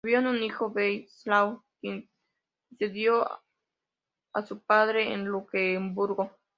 Tuvieron un hijo, Wenceslao, quien sucedió a su padre en Luxemburgo.